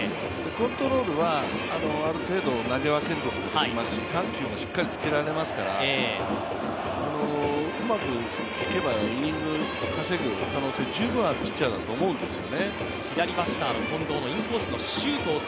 コントロールはある程度投げ分けることはできますし緩急もしっかりとつけられますから、うまくいけばイニング稼ぐ可能性十分なるピッチャーだと思うんですよね。